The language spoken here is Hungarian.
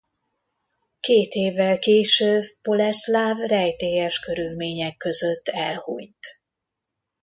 Két évvel később Boleszláv rejtélyes körülmények között elhunyt.